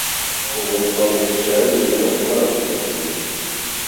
Ubuzima bugushiraho ibintu udashobora kugenzura,